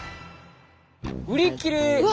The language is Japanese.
売り切れ。